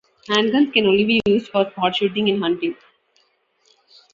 Handguns can only be used for sport-shooting and hunting.